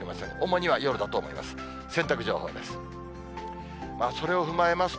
主には夜だと思います。